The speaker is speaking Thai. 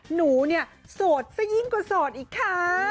หนูเนี่ยโสดซะยิ่งกว่าโสดอีกค่ะ